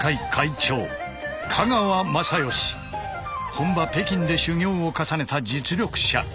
本場北京で修行を重ねた実力者。